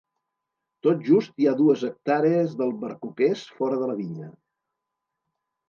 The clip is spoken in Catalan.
Tot just hi ha dues hectàrees d'albercoquers, fora de la vinya.